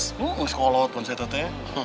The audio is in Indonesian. iya sekolot pun saya tanya